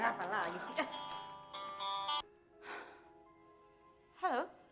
apa lagi sih